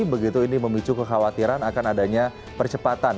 begitu ini memicu kekhawatiran akan adanya percepatan